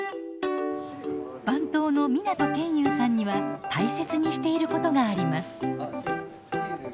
番頭の湊研雄さんには大切にしていることがあります。